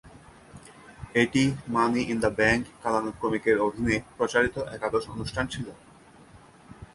এটি money in the bank কালানুক্রমিকের অধীনে প্রচারিত একাদশ অনুষ্ঠান ছিল।